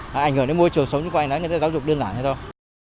họ ảnh hưởng đến môi trường xấu xung quanh đó là giáo dục đơn giản thôi